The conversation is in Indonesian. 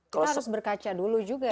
kita harus berkaca dulu juga